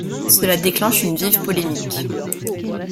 Cela déclenche une vive polémique.